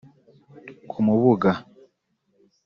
ku Mubuga